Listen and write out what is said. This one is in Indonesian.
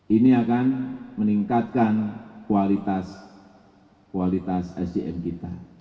ini akan meningkatkan kualitas sdm kita